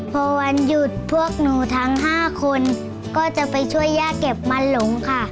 พอวันหยุดพวกหนูทั้ง๕คนก็จะไปช่วยย่าเก็บมันหลงค่ะ